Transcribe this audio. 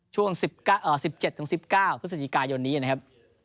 ช่วง๑๗๑๙พฤศจิกายนนี้นะครับ